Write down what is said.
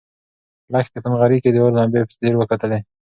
لښتې په نغري کې د اور لمبې په ځیر وکتلې.